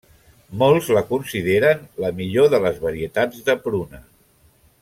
Molts la consideren la millor de les varietats de pruna.